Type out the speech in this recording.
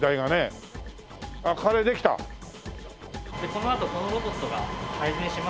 このあとこのロボットが配膳しますので。